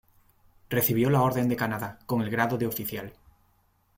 Recibió la Orden de Canadá, con el grado de oficial.